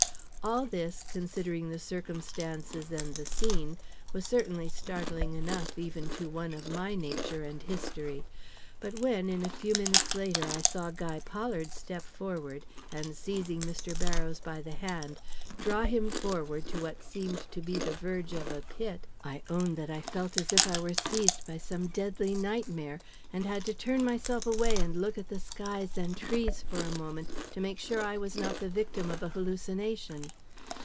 "All this, considering the circumstances and the scene, was certainly startling enough even to one of my nature and history, but when in a few minutes later I saw Guy Pollard step forward, and seizing Mr. Barrows by the hand, draw him forward to what seemed to be the verge of a pit, I own that I felt as if I were seized by some deadly nightmare, and had to turn myself away and look at the skies and trees for a moment to make sure I was not the victim of a hallucination.